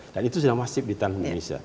dan itu sudah masih di tanah indonesia